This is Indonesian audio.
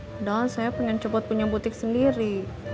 padahal saya pengen cepat punya butik sendiri